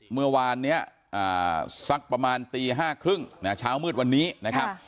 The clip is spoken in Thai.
เมื่อวานนี้สักประมาณตี๕๓๐เช้ามืดวันนี้นะครับ